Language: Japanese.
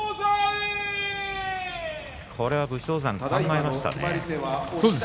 これは武将山、考えましたね。